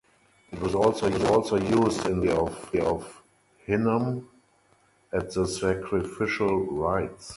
It was also used in the valley of Hinnom at the sacrificial rites.